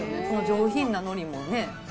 この上品なのりもね。